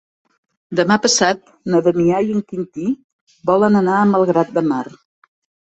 Demà passat na Damià i en Quintí volen anar a Malgrat de Mar.